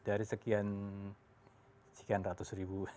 dari sekian ratus ribu